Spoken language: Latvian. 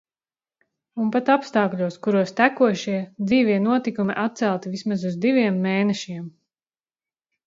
Un pat apstākļos, kuros tekošie, dzīvie notikumi atcelti vismaz uz diviem mēnešiem...